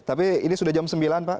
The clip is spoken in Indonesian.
tapi ini sudah jam sembilan pak